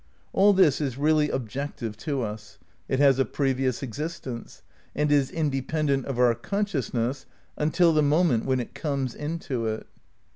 All this is really "objective" to us. It has a previous existence, and is independent of our consciousness until the moment when it "comes into" it.